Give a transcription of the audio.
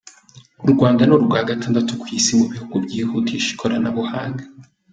U Rwanda ni urwa gatandatu ku isi mu bihugu byihutisha ikoranabuhanga